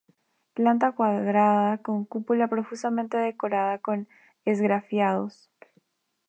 Planta cuadrada con cúpula profusamente decorada con esgrafiados.